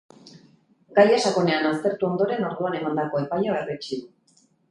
Gaia sakonean aztertu ondoren, orduan emandako epaia berretsi du.